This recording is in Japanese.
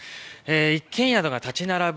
一軒家などが立ち並ぶ